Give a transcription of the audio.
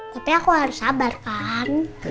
tapi aku harus sabar kan